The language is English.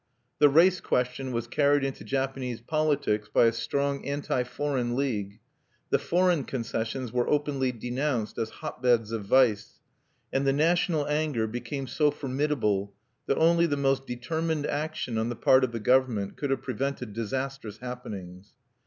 The race question was carried into Japanese politics by a strong anti foreign league; the foreign concessions were openly denounced as hotbeds of vice; and the national anger became so formidable that only the most determined action on the part of the government could have prevented disastrous happenings.